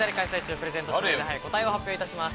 プレゼント指名手配、答えを発表いたします。